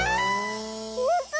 ほんとだ！